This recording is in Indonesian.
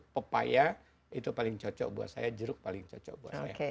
pepaya itu paling cocok buat saya jeruk paling cocok buat saya